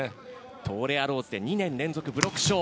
東レアローズで２年連続ブロック賞。